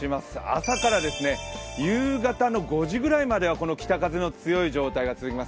朝から夕方の５時ぐらいまでは北風の強い状態が続きます。